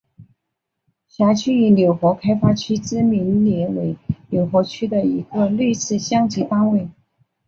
辖区以六合开发区之名列为六合区的一个类似乡级单位。